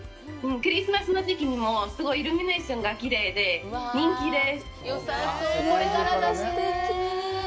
クリスマスの時期にも、すごいイルミネーションがきれいで人気です。